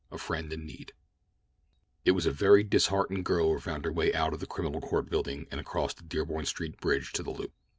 — A FRIEND IN NEED It was a very disheartened girl who found her way out of the criminal court building and across the Dearborn Street Bridge to the Loop.